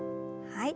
はい。